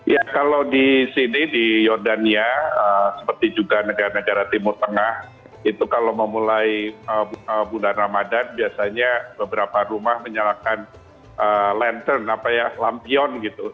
ya kalau di sini di jordania seperti juga negara negara timur tengah itu kalau memulai bulan ramadan biasanya beberapa rumah menyalakan lantern apa ya lampion gitu